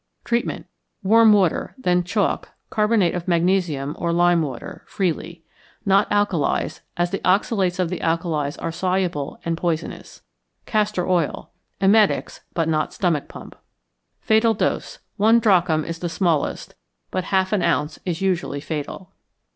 Treatment. Warm water, then chalk, carbonate of magnesium, or lime water, freely. Not alkalies, as the oxalates of the alkalies are soluble and poisonous. Castor oil. Emetics, but not stomach pump. Fatal Dose. One drachm is the smallest, but half an ounce is usually fatal.